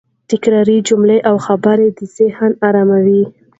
تکراري جملې او خبرې د ذهن اراموي.